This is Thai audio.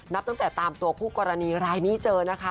นับตั้งแต่ตามตัวคู่กรณีรายนี้เจอนะคะ